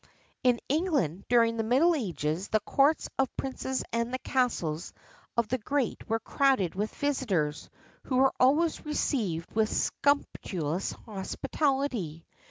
[XXXIV 29] In England, during the middle ages, the courts of princes and the castles of the great were crowded with visitors, who were always received with sumptuous hospitality.